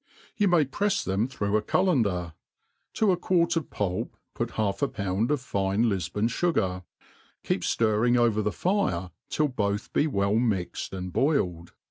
You may pre(s them through a cuU leoder; to a quart of pulp put half a pound of fine Liibon Ai gar, keep ftirring over the fire till both be well mixed and boiled.